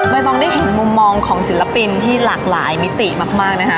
ต้องได้เห็นมุมมองของศิลปินที่หลากหลายมิติมากนะคะ